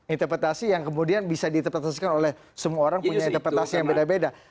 interpretasi yang kemudian bisa diinterpretasikan oleh semua orang punya interpretasi yang beda beda